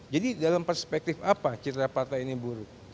jadi dalam perspektif apa citra partai ini buruk